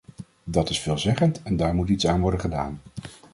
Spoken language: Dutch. Dat is veelzeggend en daar moet iets aan worden gedaan.